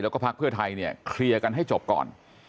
พระภาคเพื่อไทยเนี่ยเคลียร์กันให้จบก่อน